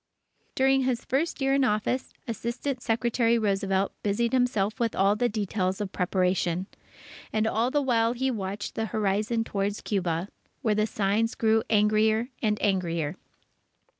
During his first year in office, Assistant Secretary Roosevelt busied himself with all the details of preparation. And all the while he watched the horizon towards Cuba, where the signs grew angrier and angrier.